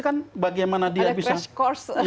kan bagaimana dia bisa ada crash course